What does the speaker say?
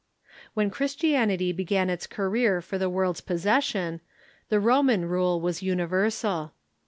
When Christianity began its career for the world's posses sion, the Roman rule was universal.